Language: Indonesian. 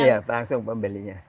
iya langsung pembelinya